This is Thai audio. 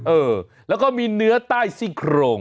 เออแล้วก็มีเนื้อใต้ซี่โครง